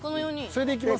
それでいきます？